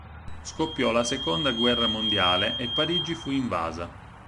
Scoppiò la seconda guerra mondiale e Parigi fu invasa.